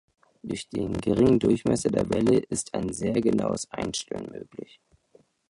Durch den geringen Durchmesser der Welle ist ein sehr genaues Einstellen möglich.